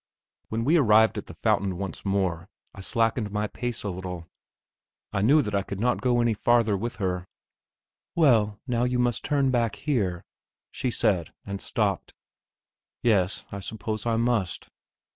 When we arrived at the fountain once more I slackened my pace a little; I knew that I could not go any farther with her. "Well, now you must turn back here," she said, and stopped. "Yes, I suppose I must."